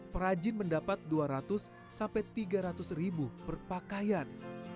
perajin mendapat dua ratus tiga ratus ribu perpakaian